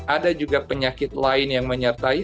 ada juga penyakit lain yang menyertai